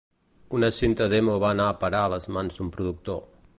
Una cinta demo va anar a parar a les mans d'un productor